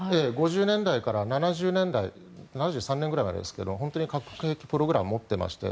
５０年代から７０年代７３年くらいまでですが核兵器プログラムを持っていまして